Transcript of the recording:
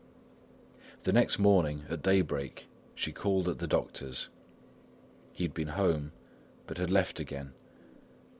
The next morning, at daybreak, she called at the doctor's. He had been home, but had left again.